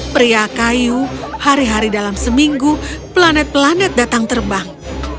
pria kayu hari hari dalam seminggu planet planet datang terbang